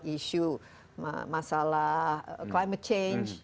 isu masalah climate change